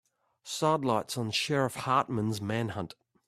Sidelights on Sheriff Hartman's manhunt.